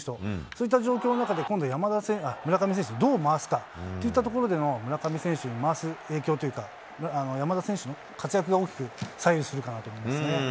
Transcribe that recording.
そういった状況の中で今度、村上選手にどう回すかといったところで村上選手に回す影響というか、山田選手の活躍が大きく左右するかなと思いますね。